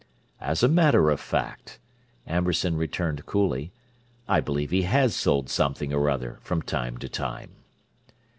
"As a matter of fact," Amberson returned coolly, "I believe he has sold something or other, from time to time."